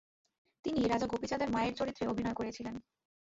তিনি রাজা গোপীচাঁদের মায়ের চরিত্রে অভিনয় করেছিলেন।